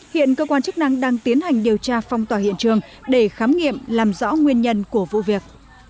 hiện cơ quan chức năng đang tiến hành điều tra phong tỏa hiện trường để khám nghiệm làm rõ nguyên nhân của vụ việc